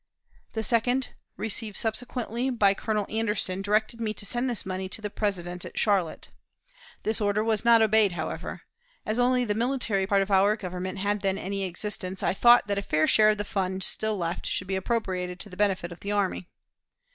The second, received subsequently by Colonel Anderson, directed me to send this money to the President at Charlotte. This order was not obeyed, however. As only the military part of our Government had then any existence, I thought that a fair share of the fund still left should be appropriated to the benefit of the army."